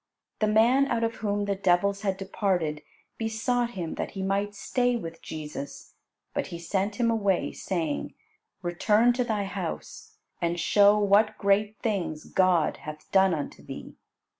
The man out of whom the devils had departed, besought Him that he might stay with Jesus, but He sent him away, saying, "Return to thy house, and show what great things God hath done unto thee."